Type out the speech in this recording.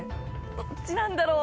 どっちなんだろう。